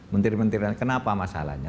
menteri menterian kenapa masalahnya